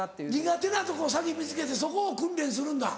苦手なとこ先見つけてそこを訓練するんだ。